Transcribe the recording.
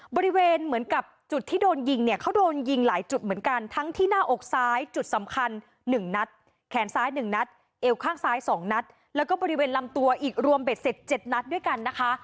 บริเวณเหมือนกับจุดที่โดนยิงเนี่ยเขาโดนยิงหลายจุดเหมือนกันทั้งที่หน้าอกซ้ายจุดสำคัญ๑นัดแขนซ้าย๑นัดเอวข้างซ้าย๒นัดแล้วก็บริเวณลำตัวอีกรวมเบ็ดเสร็จ๗นัดด้วยกันนะคะ